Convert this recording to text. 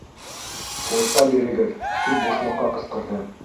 Һурпа бирегеҙ! — тип бушлыҡҡа ҡысҡырҙы.